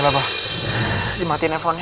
gapapa dimatiin nelfonnya